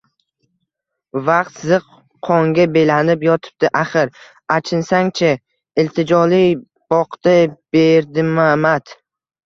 -Vaqt ziq, qonga belanib yotibdi axir, achinsang-chi, — iltijoli boqdi Berdimamat.